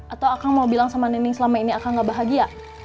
atau akang mau bilang sama nining selama ini akan gak bahagia